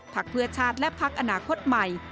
พักเพื่อชาติและพักอนาคตใหม่